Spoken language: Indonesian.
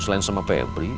selain sama pebri